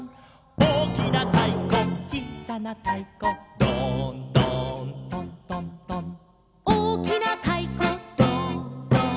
「おおきなたいこちいさなたいこ」「ドーンドーントントントン」「おおきなたいこドーンドーン」